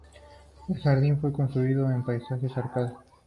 El jardín fue construido en pasajes en arcadas.